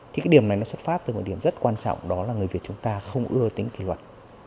thì cái điểm này nó xuất phát từ một điểm rất quan trọng đó là người việt chúng ta không ưa tính kỷ luật